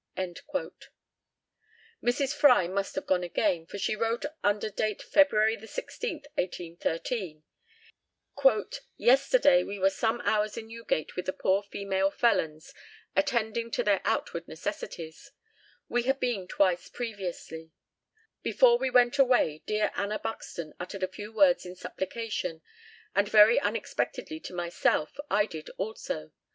" Mrs. Fry must have gone again, for she wrote under date Feb. 16th, 1813 "Yesterday we were some hours in Newgate with the poor female felons, attending to their outward necessities; we had been twice previously. Before we went away dear Anna Buxton uttered a few words in supplication, and very unexpectedly to myself I did also.